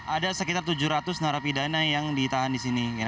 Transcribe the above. ada sekitar tujuh ratus narapidana yang ditahan di sini